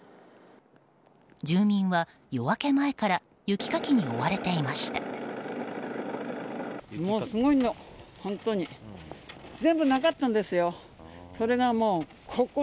住民は夜明け前から雪かきに追われていました。